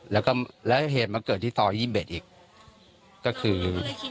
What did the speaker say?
แล้วเหตุมาเกิดที่ซอย๒๑อีกก็คือ